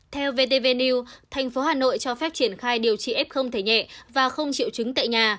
theo vtv news thành phố hà nội cho phép triển khai điều trị ép không thể nhẹ và không chịu chứng tại nhà